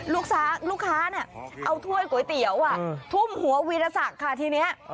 ลูกค้าเนี่ยเอาถ้วยก๋วยเตี๋ยวทุ่มหัววีรศักดิ์ค่ะทีนี้